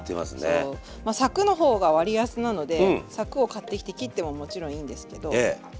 そうまあさくの方が割安なのでさくを買ってきて切ってももちろんいいんですけどま